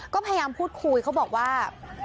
ก็พยายามพูดคุยเขาบอกว่า